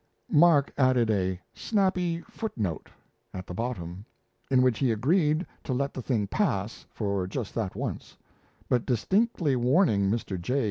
Mark added a "snappy foot note" at the bottom, in which he agreed to let the thing pass, for just that once; but distinctly warning Mr. J.